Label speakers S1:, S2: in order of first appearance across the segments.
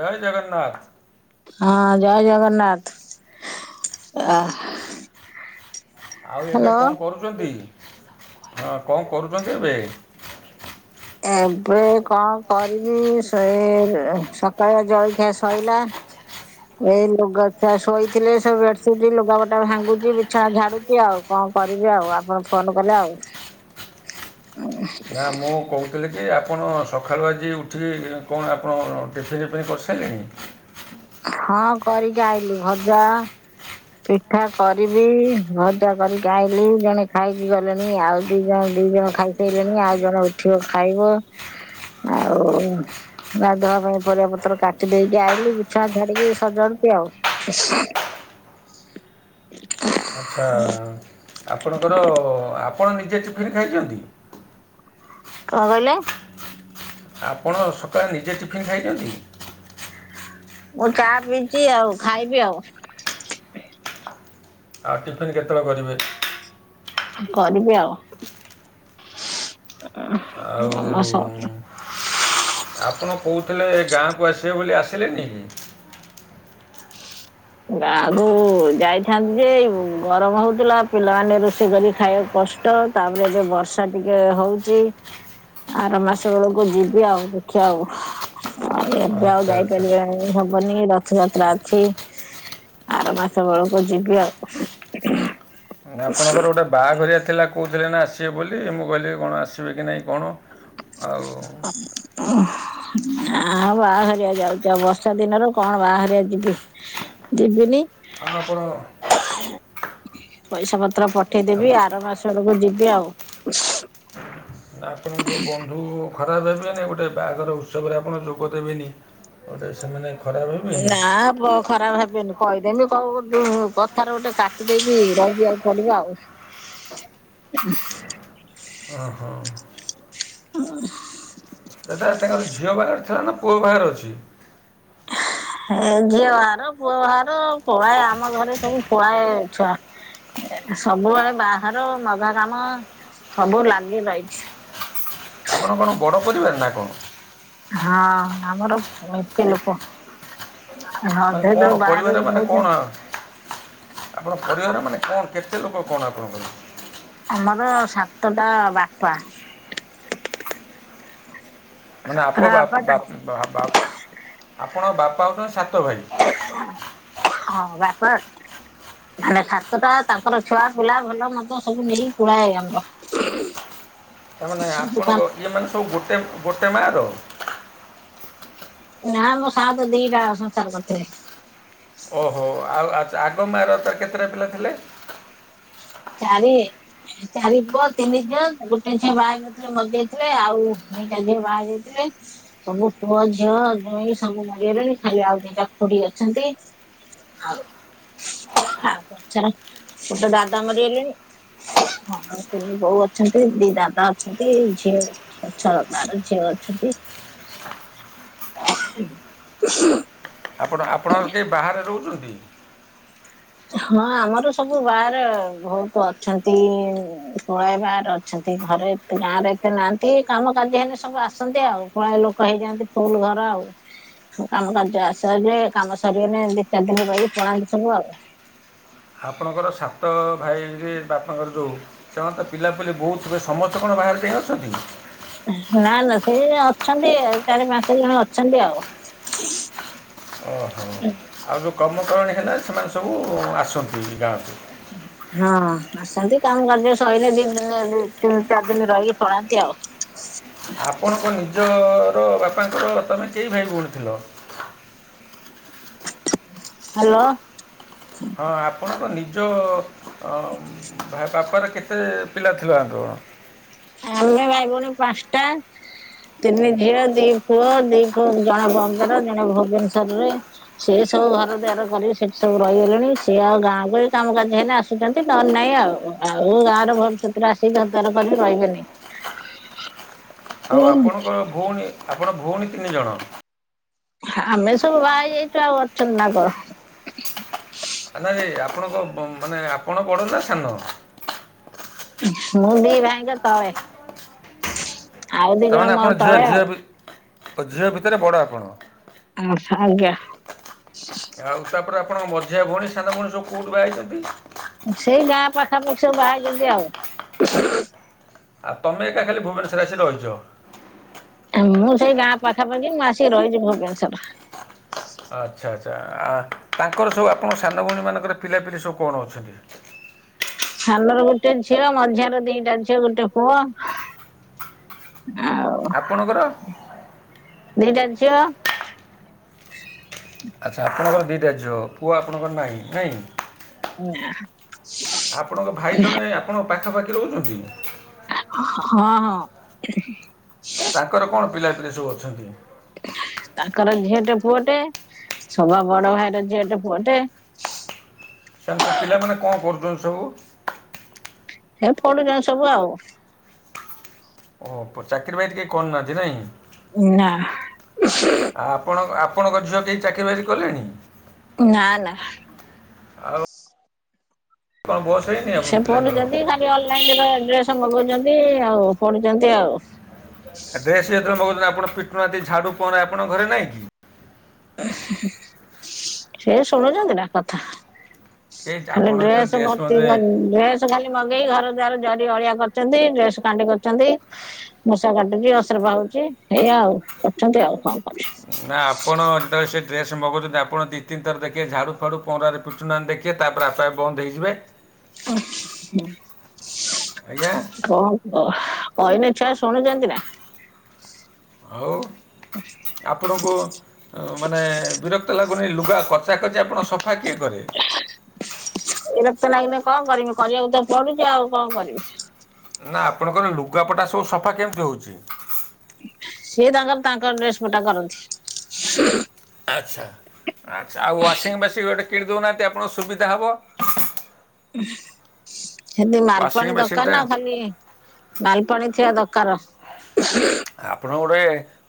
S1: ଜୟ ଜଗନ୍ନାଥ।
S2: ହଁ ଜୟ ଜଗନ୍ନାଥ ଆ
S1: ଆଉ ଏବେ
S2: ହ୍ୟାଲୋ।
S1: କଣ କରୁଛନ୍ତି ହଁ କଣ କରୁଛନ୍ତି ଏବେ?
S2: ଏବେ କଣ କରିବି ସେ ସକାଳେ ଜଳଖିଆ ସଇଲା। ଏଇ ଲୁଗା ଶୋଇଥିଲେ ସବୁ ବେଡ୍‌ସିଟ ଲୁଗାପଟା ଭାଙ୍ଗୁଛି ବିଛଣା ଝାଡୁଛି ଆଉ। କଣ କରିବି ଆଉ ଆପଣ ଫୋନ କଲେ ଆଉ।
S1: ନା ମୁଁ କହୁ କହିଲେ କି ଆପଣ ସକାଳୁ ଆଜି ଉଠିକି କଣ ଆପଣ ଟିଫିନ୍ ଫିପନ୍ କରିସାରିଲେଣି।
S2: ହଁ କରିକି ଆଇଲି ଭଜା। ପିଠା କରିବି ଭଜା କରି ଆଇଲି ଜଣେ ଖାଇକି ଗଲେଣି ଆଉ ଦି ଜଣ ଦି ଜଣ ଖାଇସାରିଲେଣି ଆଉ ଜଣେ ଉଠିବ ଖାଇବ। ଆଉ ଗାଧୁଆ ବେଳେ ପରିବା ପତ୍ର କାଟି ଦେଇକି ଆଇଲି। ଚା ଧରିକି ସଜାଡୁଛି ଆଉ।
S1: ଆଚ୍ଛା ଆପଣଙ୍କର ଆପଣ ନିଜେ ଟିଫିନ୍ ଖାଇଛନ୍ତି?
S2: କଣ କହିଲେ?
S1: ଆପଣ ସକାଳେ ନିଜେ ଟିଫିଣୀ ଖାଇଛନ୍ତି?
S2: ମୁଁ ଚା ପିଇଚି ଆଉ ଖାଇବି ଆଉ।
S1: ଆଉ ଟିଫିନ୍ କେତେବେଳେ କରିବେ?
S2: କରିବି ଆଉ।
S1: ଆଉ
S2: [unintelligible]
S1: ଆପଣ କହୁଥିଲେ ଗାଁକୁ ଆସିବେ ବୋଲି ଆସିଲେନି କି?
S2: [unintelligible] ଗାକୁ ଯାଇଥାନ୍ତି ଯେ ଗରମ ହୋଉଥିଲା ପିଲାମାନେ ରୋଷେଇ କରି ଖାଇବାକୁ କଷ୍ ତ ତାପରେ ଏବେ ବର୍ଷା ଟିକେ ହଉଛି। ଆର ମାସ ବେଳକୁ ଯିବି ଆଉ ଦେଖିବା ଆଉ। ଆଉ ଏବେ ଆଉ
S1: ଆଚ୍ଛା ଆଚ୍ଛା
S2: ଯାଇପାରିବା ହବନି ରଥଯାତ୍ରା। ଅଛି ଆର ମାସ ବେଳକୁ ଯିବି ଆଉ।
S1: ଆପଣଙ୍କର ଗୋଟେ ବାହାଘରିଆ ଥିଲା କହୁଥିଲେ ନା ଆସିବେ ବୋଲି ମୁଁ କହିଲି କଣ ଆସିବେ କି ନାହିଁ କଣ। ଆଉ। ଆଉ
S2: [unintelligible] ଆଉ ବାହାଘରିଆ ଯାଉଛି ଆଉ ବର୍ଷା ଦିନରେ କଣ ବାହାଘରିଆ ଯିବି ଯିବିନି।
S1: ଆଉ ଆପଣ
S2: [unintelligible] ପଇସା ପତ୍ର ପଠେଇଦେବି ଆର ମାସ ବେଳକୁ ଯିବି ଆଉ।
S1: ଆପଣଙ୍କ ଯୋଉ ବନ୍ଧୁ ଖରାପ ଭାବିବେନି ଗୋଟେ ବାହାଘର ଉତ୍ସବରେ ଆପଣ ଯୋଗ ଦେବେନି ଗୋଟେ ସେମାନେ ଖରାପ ହେବେନି
S2: ନା ପ ଖରାପ ଭାବିବେନି କହିଦେମି କଉ କଥାରେ ଗୋଟେ କାଟି ଦେଇକି ରହିଯିବାକୁ ପଡିବ ଆଉ। [unintelligible]
S1: ଓହୋ। ଦାଦା ତାଙ୍କର ଝିଅ ବାହାଘର ଥିଲା ନା ପୁଅ ବାହାଘର ଅଛି?
S2: ଏ ଝିଅ ବାହାଘର ପୁଅ ବାହାଘର ପୁଳାଏ ଆମ ଘରେ ସବୁ ପୁଳାଏ ଛୁଆ। ସବୁବେଳେ ବାହାର ମଘା କାମ ସବୁ ଲାଗି ରହିଛି।
S1: ଆପଣଙ୍କ କଣ ବଡ଼ ପରିବାର ନା କଣ?
S2: ହଁ ଅଁ ଆମର ମେଞ୍ଚେ ଲୋକ।
S1: ମାନେ
S2: ଅଧେ
S1: କ'ଣ
S2: ତ ବାହାରୁ
S1: ପରିବାର ମାନେ
S2: ରହୁଛନ୍ତି।
S1: କ'ଣ ଆପଣ ଙ୍କ ପରିବାର ମାନେ କଣ କେତେ ଲୋକ କଣ ଆପଣଙ୍କର?
S2: ଆମର ସାତଟା ବାପା।
S1: ମାନେ ଆପ
S2: ସାତଟା
S1: ବା
S2: ବାପା
S1: ବା
S2: ତାଙ୍କ-
S1: ବା ଆପଣଙ୍କ ବାପା ହଉଛନ୍ତି ସାତ ଭାଇ।
S2: ହଁ ବାପା ମାନେ ସାତ ଟା ତାଙ୍କର ର ଛୁଆ ପିଲା ଭଲ ମନ୍ଦ ସବୁ ନେଇ ପୁଳାଏ ଆମର। ହୁଂ
S1: ତାମାନେ ଆପଣଙ୍କ ଇଏ ମାନେ ସବୁ ଗୋଟେ ଗୋଟେ ମାଆ ର?
S2: ନା ମ ସାତ ଦିଟା ସଂସାର କରିଥିଲେ।
S1: ଓହୋ ଆଉ ଆଚ୍ଛା ଆଗ ମା ର ତାର କେତେଟା ପିଲା ଥିଲେ?
S2: ଚାରି ଚାରି ପୁଅ ତିନି ଜଣ ଗୋଟେ ଝିଅ ବାହା ନ ମରିଯାଇଥିଲେ ଆଉ ଦିଟା ଝିଅ ବାହାହେଇ ଯାଇଥିଲେ। ସବୁ ପୁଅ ଝିଅ ଜଇଁ ସବୁ ମରିଗଲେଣି ଖାଲି ଆଉ ଦିଟା ଖୁଡି ଅଛନ୍ତି। ଆଉ ଆଉ ପଛର ଗୋଟେ ଦାଦା ମରିଗଲେଣି। ହଁ ଆଉ ତିନି ବୋହୁ ଅଛନ୍ତି ଦି ଦାଦା ଅଛନ୍ତି। ଝିଅ ଛଅ ଛଅ ବାର ଝିଅ ଅଛନ୍ତି।
S1: ଆପଣ ଆପଣ ଙ୍କ ର କେହି ବାହାରେ ରହୁଛନ୍ତି?
S2: ହଁ ଆମର ସବୁ ବାହାରେ ବହୁତ ଅଛନ୍ତି ପୁଳାଏ ବାହାରେ ଅଛନ୍ତି ଘରେ ଗାଁ ରେ ଏତେ ନାହାନ୍ତି କାମ କାର୍ଯ୍ୟ ହେଲେ ସବୁ ଆସନ୍ତି ଆଉ ପୁଳାଏ ଲୋକ ହେଇଯାନ୍ତି ଫୁଲ ଘର ଆଉ। କାମ କାର୍ଯ୍ୟ ଆସିଲେ କାମ ସରିଗଲେ ଦି ଚାରି ଦିନ ରହିିକି ପଳାନ୍ତି ସବୁ ଆଉ।
S1: ଆପଣଙ୍କର ସାତ ଭାଇରେ ବାପାଙ୍କର ଯଉ ସେମାନଙ୍କ ପିଲାପୁଲି ବହୁତ ଥିବେ ସମସ୍ତେ କଣ ବାହାରେ ଯାଇ ଅଛନ୍ତି?
S2: ନା ନା ସେ ଅଛନ୍ତି ଆ ଚାରି ପାଞ୍ଚ ଜଣ ଅଛନ୍ତି ଆଉ।
S1: ଓହୋ ଆଉ ଯେଉଁ କର୍ମ କରାଣୀ ହେଲା ସେମାନେ ସବୁ ଆସନ୍ତି ଗାଁ କୁ?
S2: ହଁ ଆସନ୍ତି କାମ କାର୍ଯ୍ୟ ସଇଲେ ଦି ଦିନ ତିନି ଚାରି ଦିନ ରହିକି ପଳାନ୍ତି ଆଉ। [inaudible]
S1: ଆପଣଙ୍କ ନିଜର ବାପାଙ୍କର ତମେ କେଇ ଭାଇ ଭଉଣୀ ଥିଲ?
S2: ହାଲୋ।
S1: ହଁ ଆପଣଙ୍କ ନିଜ ଅଁ ଭା ବାପାର କେତେ ପିଲା ଥିଲ ଆପଣ?
S2: ଆମେ ଭାଇ ଭଉଣୀ ପାଞ୍ଚଟା। ତିନି ଝିଅ ଦି ପୁଅ ଦିଅ ଜଣେ ବମ୍ବେରେ ଜଣେ ଭୁବନେଶରରେ। ସିଏ ସବୁ ଘର ଦୁଆର କରିକି ସେଠି ସବୁ ରହିଗଲେଣି ସିଏ ଆଉ ଗାଁକୁଆସିବେ କାମ କାର୍ଯ୍ୟ ହେଲେ ଆସୁ ଆସୁଚନ୍ତି ନହେଲେ ନାଇଁ ଆଉ, ଆଉ ଗାଁରେ ଭବିଷ୍ୟତରେ ଆସିକି ଘରଦ୍ୱାର କରିବେ। ରହିବେନି।
S1: ଆଉ ଆପଣଙ୍କ ଭଉଣୀ ଆପଣ ଭଉଣୀ ତିନି ଜଣ?
S2: ଆମେ ସବୁ ବାହା ହେଇ ଯାଇଛୁ ଆଉ ଅଛନ୍ତି ନା କଣ।
S1: ନା ନାଇଁ ଆପଣଙ୍କ କ ମାନେ ଆପଣ ବଡ଼ ନା ସାନ?
S2: ମୁଁ ଦି ଭାଇଙ୍କ ତଳେ ଆଉ ଦି ଜଣ
S1: ତାମାନେ
S2: ମୋ
S1: ଆପଣ ଝିଅ
S2: ତଳେ
S1: ଝିଅ
S2: ଆଉ।
S1: ବି- ଓ ଝିଅ ଭିତରେ ବଡ ଆପଣ?
S2: [unintelligible] ଆଜ୍ଞା।
S1: ଆଉ ତାପରେ ଆପଣଙ୍କ ମଝିଆ ଭଉଣୀ ସାନ ଭଉଣୀ ସବୁ କୋଉଠି ବାହା ହେଇଛନ୍ତି?
S2: ସେଇ ଗାଁ ପାଖାପାଖି ସବୁ ବାହାହେଇଛନ୍ତି ଆଉ।
S1: ଆଉ ତମେ ଏକା ଖାଲି ଭୁବନେଶ୍ୱରେ ଆସିି ରହିଛ?
S2: ମୁଁ ସେଇ ଗାଁ ପାଖାପାଖି ମୁଁ ଆସିକି ରହିଛି ଭୁବନେଶ୍ୱର।
S1: ଆଚ୍ଛା ଆଛା ଆ ତାଙ୍କର ସବୁ ଆପଣଙ୍କ ସାନ ଭଉଣୀ ମାନଙ୍କର ପିଲାପିଲି ସବୁ କଣ ଅଛନ୍ତି?
S2: ସାନର ଗୋଟେ ଝିଅ ମଝିଆର ଦିଟା ଝିଅ ଗୋଟେ ପୁଅ। ଆଉ।
S1: ଆପଣଙ୍କର?
S2: ଦିଟା ଝିଅ।
S1: ଆଚ୍ଛା ଆପଣଙ୍କର ଦିଇଟା ଝିଅ ପୁଅ ଆପଣଙ୍କର ନାହିଁ ନାଇଁ?
S2: ନାଁ।
S1: ଆପଣଙ୍କ ଭାଇ ଜଣେ ଆପଣଙ୍କ ପାଖାପାଖି ରହୁଛନ୍ତି?
S2: ହଁ ହଁ।
S1: ତାଙ୍କର କଣ ପିଲାପିଲି ସବୁ ଅଛନ୍ତି?
S2: ତାଙ୍କର ଝିଅଟେ ପୁଅଟେ ସଭା ବଡ ଭାଇର ଝିଅଟେ ପୁଅଟେ।
S1: ସେମାନେ ସ ପିଲାମାନେ କଣ କରୁଛନ୍ତି ସବୁ?
S2: ହେ ପଡୁଛନ୍ତି ସବୁ ଆଉ।
S1: ଓ ଚାକିରି ବାକିରି କେହି କରୁନାହାନ୍ତି ନାଇଁ?
S2: ନା।
S1: ଆ ଆପଣ ଆପଣଙ୍କ ଝିଅ କେହି ଚାକିରି ବାକିରି କଲେଣି?
S2: ନାଁ ନା।
S1: ଆଉ କ'ଣ ବସ୍ ହେଇନି ଆପଣ
S2: ସେ
S1: ପିଲାଙ୍କର
S2: ପଢୁଛନ୍ତି ଖାଲି ଅନଲାଇନରେ ଡ୍ରେସ ମଗଉଛନ୍ତି ଆଉ ପଢୁଛନ୍ତି ଆଉ।
S1: ଆ ଡ୍ରେସ ଯେତେବେଳେ ମଗଉଛନ୍ତି ଆପଣ ପିଟୁନାହାଁନ୍ତି ଝାଡୁ ପହଁରା ଆପଣଙ୍କ ଘରେ ନାଇଁ କି?
S2: ସେ ଶୁଣୁଛନ୍ତି ନା କଥା।
S1: କେହି
S2: ଖାଲି
S1: ଆପଣ ଯେତେବେଳେ
S2: ଡ୍ରେସ ଗୁରା
S1: ଡ୍ରେସ୍
S2: ତି
S1: ମଧ୍ୟ
S2: ଡ୍ରେସ ଖାଲି ମଗେଇ ଘର ଦ୍ୱାର ଜରି ଅଳିଆ କରୁଛନ୍ତି ଡ୍ରେସ କାଣ୍ଡେ କରୁଛନ୍ତି। ମୂଷା କାଟୁଚି ଅସରପା ହଉଚି ଏଇଆ ଆଉ କରୁଛନ୍ତି ଆଉ ହଁ।
S1: ନା ଆପଣ ଡେସେ ଡ୍ରେସ ମଗଉ ଛନ୍ତି ଆପଣ ଦିତିନିଥର ଦେଖିଏ ଝାଡ଼ୁ ଫାଂଡୁ ପହଁରାରେ ପିଟୁ ନାହାଁନ୍ତି ଦେଖିବେ ତାପରେ ଆପେ ଆପେ ବନ୍ଦ ହେଇଯିବେ।
S2: ଆ ହ [inaudible]
S1: ଆଜ୍ଞା।
S2: କଣ କହ ଅଇନେ ଛୁଆ ଶୁଣୁଜନ୍ତି ନା
S1: ଆଉ ଆପଣକୁ ଅଁ ମାନେ ବିରକ୍ତ ଲାଗୁନାଇଁ ଲୁଗା କଚା କଚି ଆପଣ ସଫା କିଏ କରେ
S2: ବିରକ୍ତ ଲାଗିଲେ କଣ କରିମି କରିବାକୁ ତ ପଡୁଚି ଆଉ କଣ କରିବି
S1: ନା ଆପଣଙ୍କର ଲୁଗାପଟା ସବୁ ସଫା କେମ୍‌ତି ହଉଚି
S2: ସିଏ ତାଙ୍କର ତାଙ୍କର୍ ଡ୍ରେସ୍ ପଟା କରନ୍ତି
S1: ଆଚ୍ଛା ଆଚ୍ଛା ଆଉଁ ୱାସିଙ୍ଗ୍ ବେସିଙ୍ଗ୍ ଗୋଟେ କିଣି ଦେଉନାନ୍ତି ଆପଣ ସୁବିଧା ହବ
S2: ଛେଦି
S1: ୱାସିଂ
S2: ମାଲ୍‌ପାଣି ଦର୍‌କାର୍
S1: ମେସିନ୍ଟା
S2: ନା ଆଉ ଖାଲି ମାଲ୍‌ପାଣି ଥିବା ଦର୍‌କାର
S1: ଆପଣ ଗୋଡେ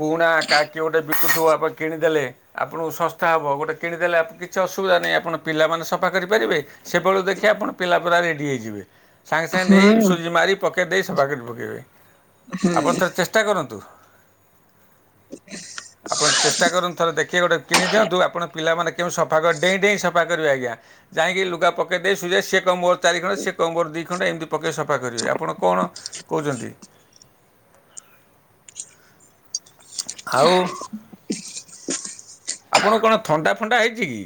S1: ପୁରୁଣା କାର୍ କିଏ ଗୋଟେ ବିକୁଥୁବ ଆପଣ କିଣିଦେଲେ ଆପଣଙ୍କୁ ଶସ୍ତା ହବ ଗୋଟେ କିଣିଦେଲେ ଆପ୍ କିଛି ଅସୁବିଧା ନାଇଁ ଆପଣ ପିଲାମାନେ ସଫା କରିପାରିବେ ସେବେଳୁ ଦେଖି ଆପଣ ପିଲା ପୁରା ରେଡ଼ି ହେଇଯିବେ ସାଙ୍ଗେ ସାଙ୍ଗେ ନେଇ
S2: ହୁଁ
S1: ସୁଇଜି ମାରି ପକେଇ ଦେଇ ସଫା କରି ପକେଇବେ ଆପଣ ଥରେ ଚେଷ୍ଟା କରନ୍ତୁ
S2: [inaudible]
S1: ଆପଣ ଚେଷ୍ଟା କରନ୍ତୁଥରେ ଦେଖି ଗୋଟେ କିଣି ଦିଅନ୍ତୁ ଆପଣ ପିଲାମାନେ କେଉଁ ସଫା କର୍ ଡେଇଁ ଡେଇଁ ସଫା କରିବେ ଆଜ୍ଞା ଯାଇଁକି ଲୁଗା ପକେଇ ଦେଇ ସୁଇବେ ସେ କହ୍‌ବ ମୋର ଚାରି ଖଣ୍ଡେ ସେ କମ୍ବର ଦି ଖଣ୍ଡେ ଏମ୍‌ତି ପକେଇ ସଫା କରିବେ ଆପଣ କଣ କଉଜନ୍ତି ଖାଉ ଆପଣଙ୍କୁ କଣ ଥଣ୍ଡା ଫଣ୍ଡା ହେଇଚି ଗି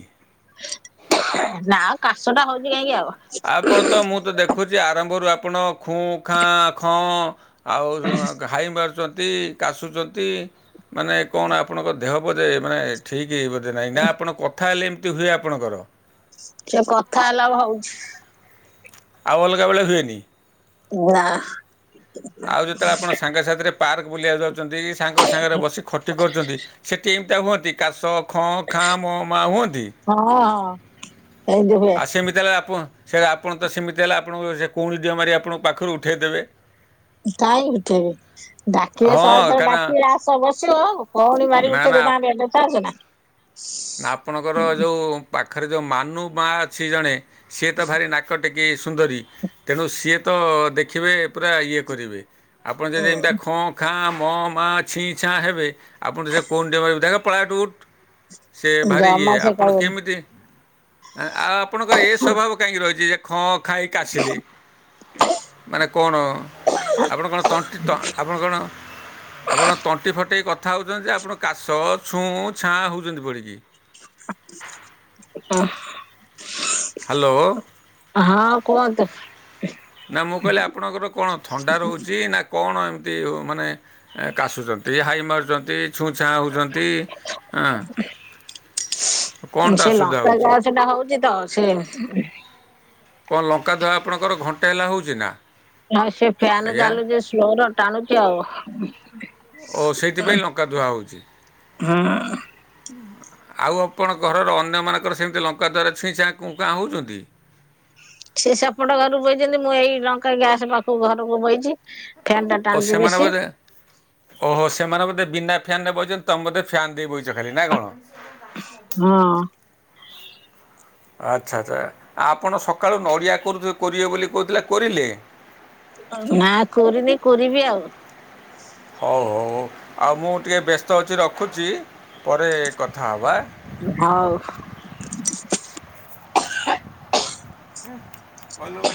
S2: ନା ଆଉ କାଶ ଟା ହଉଜି କାହିଁକି ହବ
S1: ଆପଣ ତ ମୁଁ ତ ଦେଖୁଚି ଆରମ୍ଭରୁ ଆପଣ ଖୁଁ ଖାଁ ଖଁ ଆଉ ଜଣକ ହାଇ ମାରୁସ୍ ଚନ୍ତି କାଶୁଜନ୍ତି ମାନେ କଣ ଆପଣଙ୍କ ଦେହ ବୋଧେ ମାନେ ଠିକି ବୋଧେ ନାହିଁନା ଆପଣ କଥା ହେଲେ ଏମ୍‌ତି ହୁଏ ଆପଣଙ୍କର
S2: ସେ କଥା ହେଲେ ଆଉ ହଉ
S1: ଆଉ ଅଲଗା ବେଳେ ହୁଏନି
S2: ନାଆ
S1: ଆଉ ଯେତେବେଳେ ଆପଣ ସାଙ୍ଗ ସାାଥିରେ ପାର୍କ ବୁଲିବାକୁ ଯାଉଚନ୍ତି ସାଙ୍ଗ ସାଙ୍ଗରେ ବସି ଖଟି କରୁଚନ୍ତି ସେଠି ତେହ୍ଵଁତି କାଶ ଖଁ ଖାଁ ମଁ ମାଁ ହଅଁନ୍ତି
S2: ହଁ ହଁ ଏମିତି ହୁଏ
S1: ଆଉ ସେମିତି ହେଲେ ଆପଁ ସେରା ଆପଣ ତ ସେମିତି ହେଲା ଆପଣଙ୍କୁ ସେ କଉଣି ଡିହ ମାରି ଆପଣଙ୍କୁ ପାଖରୁ ଉଠେଇ ଦେବେ
S2: ଦାଇଁ ଥିବେ ଡାକିବେ
S1: ହଁ
S2: ସହେ ଥରେ
S1: କାରଣ
S2: ଡାକିଲେ ଆସ ବସିବ କହୁଣି ମାରଗିି
S1: ନା
S2: ଉଠେଇ ଦେଥାନ୍ତେ ଦେଛ ଚନା
S1: ନା ଆପଣଙ୍କର ଜଉ ପାଖରେ ଯେଉଁ ମାନବ୍ ମା ଅଛି ଜଣେ ସିଏ ତ ଭାରି ନାକ ଟେ କି ସୁନ୍ଦରୀ ତେଣୁ ସିଏ ତ ଦେଖିବେ ପୁରା ଇଏ କରିବେ ଆପଣ ଯଦି ଏମ୍‌ତିଆ ଖଁ ଖାଁ ମ ମା ଛିଇଁ ଛାଁ ହେବେ ଆପଣକୁ ସେ କଉଣ୍ ଡେ କହିବ ଜା ଜା ପଳା ଏଠୁ ଉଠ୍ ସେ ଭାରି
S2: ଜମା
S1: ଇଏ
S2: ସେ
S1: ଆପଣ
S2: କହିବନି
S1: କେମିଦି ଏଁ ଆ ଆପଣଙ୍କର ଏ ସ୍ଵଭାବ କାହିଁଗି ରହିଜି ଯେ ଖଁ ଖାଁ ଏଇ କାସିଲି ମାନେ କଣ ଆପଣ କଣ ତଣ୍ଟି ତ ଆପଣ କଣ ଆପଣ ତଣ୍ଟି ଫଟେଇ କଥା ହଉଜନ୍ତି ଯେ ଆପଣ କାଶ ଛୁଁ ଛାଁ ହଉଜନ୍ତି ପଡିଗି
S2: ଅଁହ୍
S1: ହାଲୋ
S2: ହଁ କୁଅନ୍ତୁ
S1: ନାଁ ମୁଁ କହିଲି ଆପଣଙ୍କର କଣ ଥଣ୍ଡା ରଉଚି ନା କଣ ଏମ୍‌ତି ହୁ ମାନେଁ ଏ କାଶୁଛନ୍ତି ହାଇ ମାରୁଛନ୍ତି ଛୁଁଛାଆଁ ହେଉଛନ୍ତି ଆଁ।
S2: ସେ ଲଙ୍କା ଗ୍ୟାସ ଟା ହଉଛି ତ ସେ
S1: କଣ ଲଙ୍କା ଧୁଆ ଆପଣଙ୍କର ଘଣ୍ଟେ ହେଲା ହଉଛିନା?
S2: ହଁ ସେ ଫ୍ୟାନ ଚାଲୁଛି ସ୍ଲୋର ଟାଣୁଛି ଆଉ।
S1: ଓ ସେଇଥିପାଇଁ ଲଙ୍କା ଧୁଆ ହଉଛି। ଆଉ ଆପଣ ଘରର ଅନ୍ୟମାନଙ୍କର ସେମିତି ଲଙ୍କା ଦ୍ୱାରା ଛୁଇଁଛାଁ କୁଂ କାଁ ହଉଛନ୍ତି।
S2: ସେ ସେପଟ ଘରକୁ ବୋଇଛନ୍ତି ମୁଁ ଏଇ ଲଙ୍କା ଗ୍ୟାସ ପାଖକୁ ଘରକୁ ବୋଇଛି।
S1: ଓ ସେମାନେ ବୋଧେ ଓହୋ ସେମାନେ ବୋଧେ ବିନା ଫ୍ୟାନ ନେ ବହୁଛନ୍ତି ତମେ ବୋଧେ ଫ୍ୟାନ୍ ଦେଇ ବଇଛ ଖାଲି ନା କଣ?
S2: ହଁ।
S1: ଆଚ୍ଛା ଆଚ୍ଛା ଆପଣ ସକାଳୁ ନଡ଼ିଆ କରୁଥିବେ କରିବେ ବୋଲି କହୁଥିଲେ କୋରିଲେ।
S2: ନା କୋରିନି କୋରିବି ଆଉ।
S1: ହଉ ହଉଉ ଆଉ ମୁଁ ଟିକେ ବ୍ୟସ୍ତ ଅଛି ରଖୁଛି ପରେ କଥା ହେବା ଆଁ।
S2: ହଉ।
S1: [unintelligible]